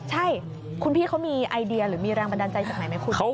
ใช่คุณพี่เขามีไอเดียหรือมีแรงบันดาลใจจากไหนไหมคุณ